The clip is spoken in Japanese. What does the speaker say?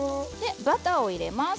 バターを入れます。